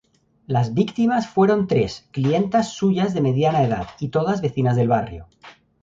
Las víctimas fueron tres clientas suyas de mediana edad, y todas vecinas del barrio.